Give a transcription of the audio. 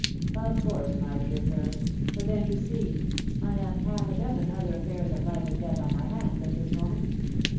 "Of course, my dear sir. But then, you see, I have half a dozen other affairs of life and death on my hands at this moment.